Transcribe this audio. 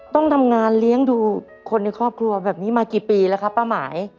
ต้องทำงานเลี้ยงดูคนในครอบครัวแบบนี้มากี่ปีแล้วครับป้าหมาย